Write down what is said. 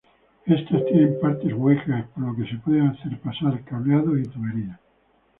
Estas tienen partes huecas, por lo que se puede hacer pasar cableados y tuberías.